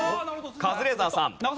カズレーザーさん。